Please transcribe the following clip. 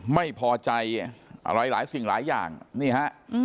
ไม่พอใจอะไรหลายสิ่งหลายอย่างนี่ฮะ